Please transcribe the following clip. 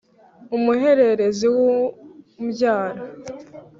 umuhererezi w’umbyara